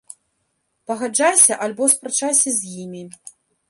Пагаджайся альбо спрачайся з імі!